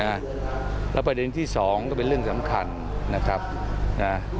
นะฮะแล้วประเด็นที่๒ก็เป็นเรื่องสำคัญนะฮะ